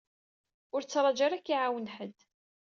Ur ttraju ara ad k-iɛawen ḥedd.